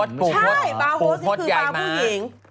ใช่บาร์โฮสนี่คือบาร์ผู้หญิง